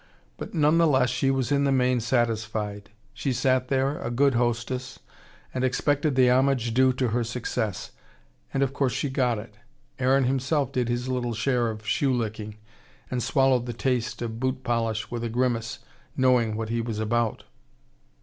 But none the less, she was in the main satisfied. She sat there, a good hostess, and expected the homage due to her success. And of course she got it. Aaron himself did his little share of shoe licking, and swallowed the taste of boot polish with a grimace, knowing what he was about.